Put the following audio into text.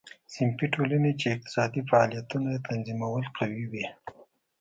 صنفي ټولنې چې اقتصادي فعالیتونه یې تنظیمول قوي وې.